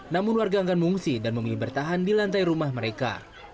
namun warga akan mengungsi dan memilih bertahan di lantai rumah mereka